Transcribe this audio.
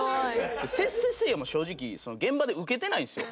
「せっせっせいや」も正直現場でウケてないんですよ。